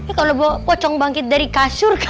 eh kalau pokong bangkit dari kasur kan